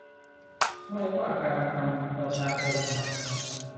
ไม่ว่าการทำประชาคม